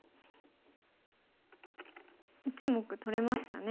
１目取れましたね。